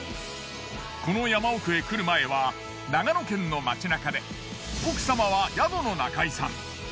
この山奥へ来る前は長野県の街なかで奥様は宿の仲居さん。